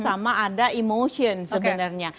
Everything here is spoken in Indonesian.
sama ada emotion sebenarnya